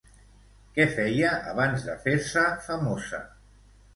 Què feia abans de fer-se famosa?